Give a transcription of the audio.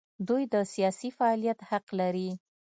دوی د سیاسي فعالیت حق لري.